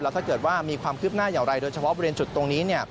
ถ้าเกิดว่ามีความคืบหน้าอย่างไรโดยเฉพาะบริเวณจุดตรงนี้